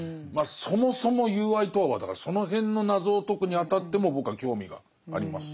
そもそも友愛とはだからその辺の謎を解くにあたっても僕は興味があります。